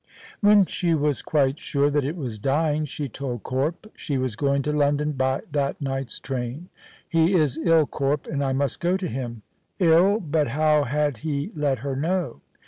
When she was quite sure that it was dying, she told Corp she was going to London by that night's train. "He is ill, Corp, and I must go to him." Ill! But how had he let her know?